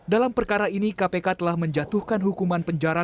dalam perkara ini kpk telah menjatuhkan hukuman penjara